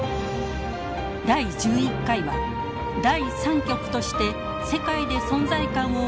第１１回は第３極として世界で存在感を増すトルコです。